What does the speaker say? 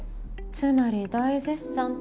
つまり大絶賛って事ね。